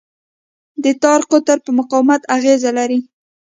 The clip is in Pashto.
د تار قطر په مقاومت اغېز لري.